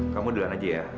kamu duluan aja ya